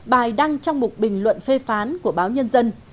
bài đăng trong một bình luận phê phán của báo nhân dân